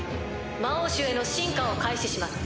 魔王種への進化を開始します。